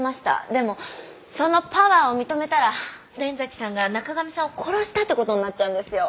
でもそのパワーを認めたら連崎さんが中上さんを殺したってことになっちゃうんですよ。